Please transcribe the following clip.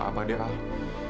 ya gak apa apa deh al